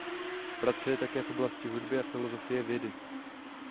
Pracuje také v oblasti hudby a filosofie vědy.